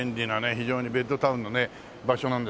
非常にベッドタウンのね場所なんですけど。